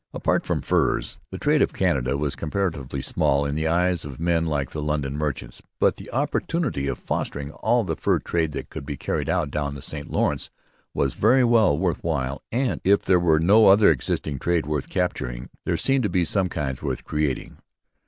Apart from furs the trade of Canada was contemptibly small in the eyes of men like the London merchants. But the opportunity of fostering all the fur trade that could be carried down the St Lawrence was very well worth while; and if there was no other existing trade worth capturing there seemed to be some kinds worth creating.